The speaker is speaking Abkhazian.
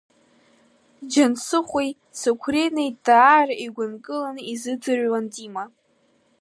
Џьансыхәи Циқәринеи даара игәынкыланы изыӡырҩуан Дима.